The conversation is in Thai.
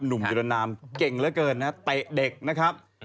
หนุ่มยึดณามเก่งเหลือเกินนะครับแตะเด็กนะครับ